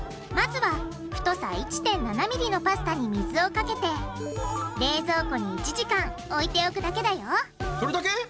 まずは太さ１．７ｍｍのパスタに水をかけて冷蔵庫に１時間置いておくだけだよこれだけ？